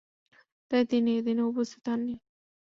তাই তিনি এ দিনে উপস্থিত হননি।